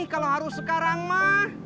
kalau harus sekarang ma